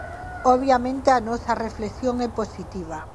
Obviamente, a nosa reflexión é positiva.